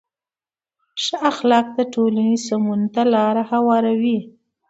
ښه اخلاق د ټولنې سمون ته لاره هواروي.